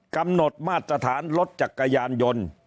กำหนดมาตรฐานรถจักรยานยนต์